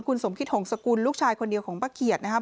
คุณสมคิตหงษกุลลูกชายคนเดียวของป้าเขียดนะครับ